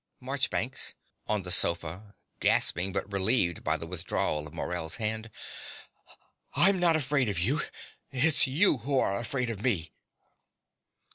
MARCHBANKS (on the sofa, gasping, but relieved by the withdrawal of Morell's hand). I'm not afraid of you: it's you who are afraid of me.